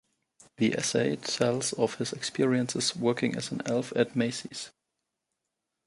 The essay tells of his experiences working as an elf at Macy's.